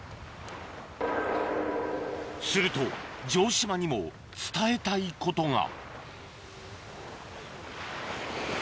すると城島にも伝えたいことがＬＡＳＴ！